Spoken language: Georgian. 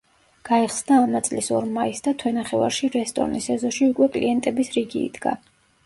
გაიხსნა ამა წლის ორ მაისს და თვენახევარში რესტორნის ეზოში უკვე კლიენტების რიგი იდგა.